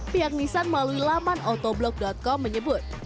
pihak nissan melalui laman autoblok com menyebut